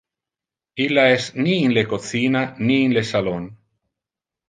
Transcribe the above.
Illa es ni in le cocina, ni in le salon.